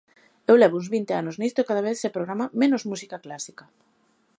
Eu levo uns vinte anos nisto e cada vez se programa menos música clásica.